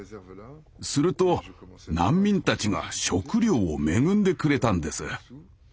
すると難民たちが食料を恵んでくれたんです。